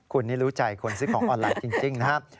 คุณนี่รู้ใจคนซื้อของออนไลน์จริงนะครับ